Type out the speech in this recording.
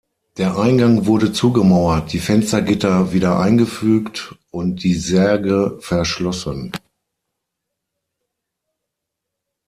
Der Eingang wurde zugemauert, die Fenstergitter wieder eingefügt und die Särge verschlossen.